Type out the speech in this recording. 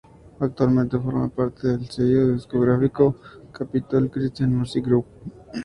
Actualmente forma parte del sello discográfico Capitol Christian Music Group.